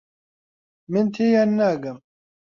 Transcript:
من تێیان ناگەم.